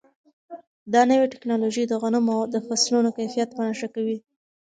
دا نوې ټیکنالوژي د غنمو د فصلونو کیفیت په نښه کوي.